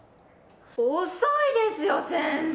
遅いですよ先生。